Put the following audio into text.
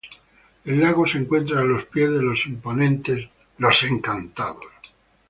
El lago se encuentra a los pies de los imponentes Los Encantados.